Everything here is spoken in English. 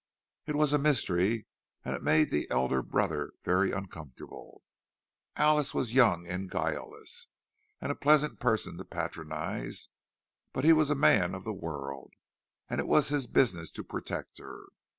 It was a mystery; and it made the elder brother very uncomfortable. Alice was young and guileless, and a pleasant person to patronize; but he was a man of the world, and it was his business to protect her.